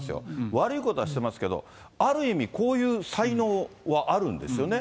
悪いことはしてますけど、ある意味、こういう才能はあるんですよね。